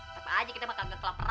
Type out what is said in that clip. sapa aja kita makan ke telapaknya